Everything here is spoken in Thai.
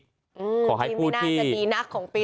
ทีมน่าจะดีนักของปี๒๕๖๓